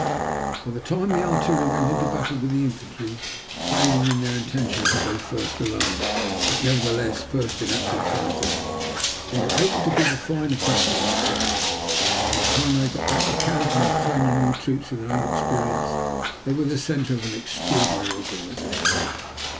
By the time the artillery went into battle with the infantry, failing in their intention to go first alone, but nevertheless first in actual fighting, they were able to give a fine account of themselves. By the time they had got back to camp and were training new troops from their own experience, they were the centre of an extraordinary organization.